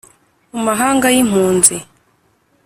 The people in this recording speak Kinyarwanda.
mu mahanga y impunzi